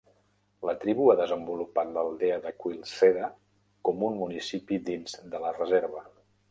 La tribu ha desenvolupat l'aldea de Quil Ceda com un municipi dins de la reserva.